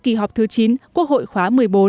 kỳ họp thứ chín quốc hội khóa một mươi bốn